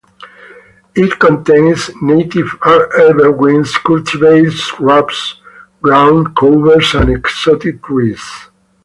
It contains native evergreens, cultivated shrubs, groundcovers, and exotic trees.